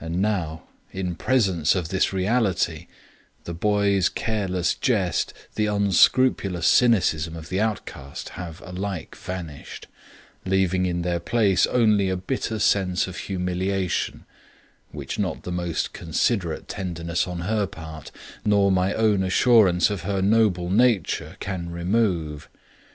And now, in presence of this reality, the boy's careless jest, the unscrupulous cynicism of the outcast, have alike vanished, leaving in their place only a bitter sense of humiliation, which not the most considerate tenderness on her part, nor my own assurance of her noble nature, can remove.